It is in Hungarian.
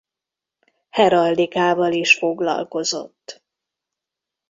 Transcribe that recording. Heraldikával is foglalkozott.